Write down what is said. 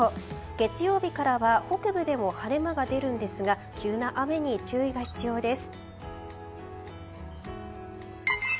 月曜日からは北部でも晴れ間が出るんですが急な雨に注意が必要です。